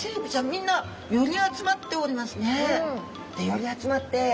みんな寄り集まっておりますね。